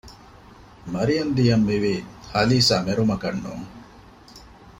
މަރިޔަންދީ އަށް މިވީ ހަލީސާ މެރުމަކަށް ނޫން